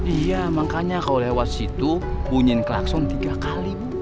iya makanya kalo lewat situ bunyin klakson tiga kali bu